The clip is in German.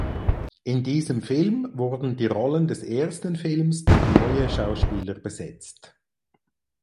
In diesem Film wurden die Rollen des ersten Films durch neue Schauspieler besetzt.